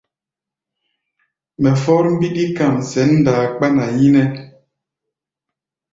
Mɛ fɔ́r mbíɗí kam sɛ̌n ndaa kpána yínɛ́.